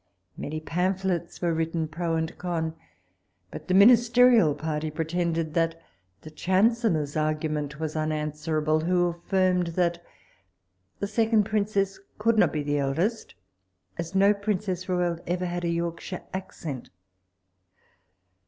Many pamphlets were written pro and con, but the ministerial party pretended that the chancellor's argument was unanswerable, who affirmed, that the second princess could not be the eldest, as no princess royal ever had a Yorkshire accent.